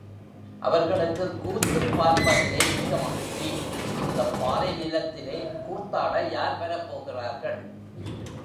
அவர்களுக்குக் கூத்துப் பார்ப்பதிலே மிக்க மகிழ்ச்சி அந்தப் பாலை நிலத்திலே கூத்தாட யார் வரப் போகிறார்கள்?